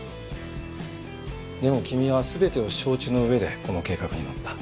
でも君は全てを承知の上でこの計画に乗った。